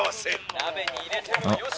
「鍋に入れてもよし！